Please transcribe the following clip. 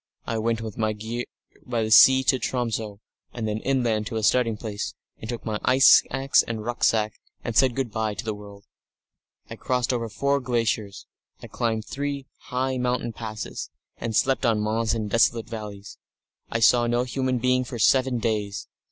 I went with my gear by sea to Tromso, and then inland to a starting place, and took my ice axe and rucksack, and said good bye to the world. I crossed over four glaciers; I climbed three high mountain passes, and slept on moss in desolate valleys. I saw no human being for seven days.